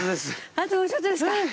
あともうちょっとですか。